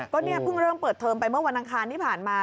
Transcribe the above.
ก็เพิ่งเริ่มเปิดเทิมมาเมื่อวันทางทานี่ผ่านมา